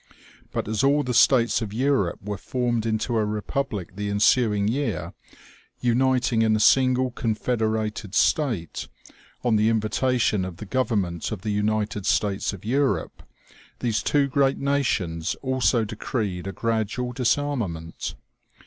But as all the states of Europe were formed into a republic the ensuing year, uniting in a single confederated state, on the invita tion of the government of the United States of Europe, these two great nations also decreed a gradual disarma ment.